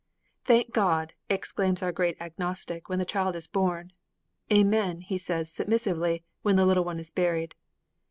'Thank God!' exclaims our great Agnostic when the child is born. 'Amen!' he says, submissively, when the little one is buried.